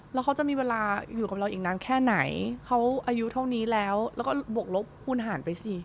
แล้วเขาจะมีเวลาอยู่กับเราอีกนานแค่ไหนเขาอายุเท่านี้แล้วแล้วก็บวกลบคูณหารไปสิ